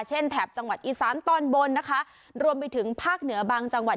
แถบจังหวัดอีสานตอนบนนะคะรวมไปถึงภาคเหนือบางจังหวัด